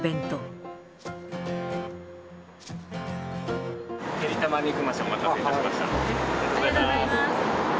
ありがとうございます。